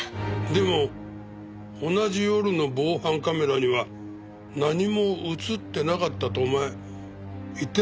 でも同じ夜の防犯カメラには何も映ってなかったってお前言ってなかった？